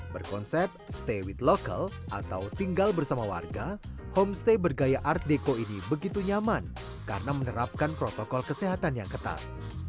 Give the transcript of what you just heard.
berkonsep stay with local atau tinggal bersama warga homestay bergaya art deco ini begitu nyaman karena menerapkan protokol kesehatan yang ketat